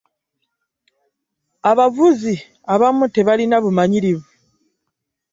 Abavuzi abamu tebalina bumanyirivu.